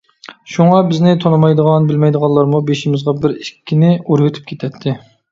شۇڭا، بىزنى تونۇمايدىغان، بىلمەيدىغانلارمۇ بېشىمىزغا بىر، ئىككىنى ئۇرۇۋېتىپ كېتەتتى.